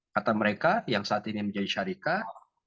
kata mereka yang saat ini menjadi syarikat